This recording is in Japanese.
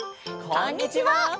こんにちは！